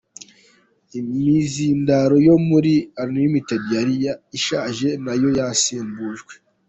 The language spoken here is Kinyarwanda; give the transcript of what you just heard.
Imizindaro yo muri Unlimited yari ishaje nayo yasimbujwe.